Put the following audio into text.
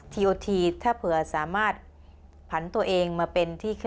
ทีโอทีถ้าเผื่อสามารถผันตัวเองมาเป็นที่